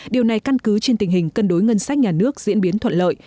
điều này căn cứ trên tình hình cân đối ngân sách nhà nước diễn biến thuận lợi